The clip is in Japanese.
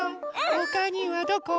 ほかにはどこ？